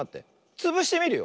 つぶしてみるよ。